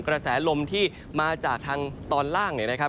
กระแสลมที่มาจากทางตอนล่างเนี่ยนะครับ